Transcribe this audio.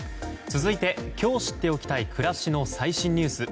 続いて、今日知っておきたい暮らしの最新ニュース。